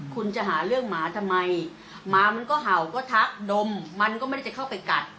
คุณจะหาเรื่องหมาทำไมหมามันก็เห่าก็ทักดมมันก็ไม่ได้จะเข้าไปกัด